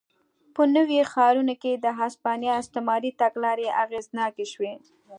په نویو ښارونو کې د هسپانیا استعماري تګلارې اغېزناکې شوې.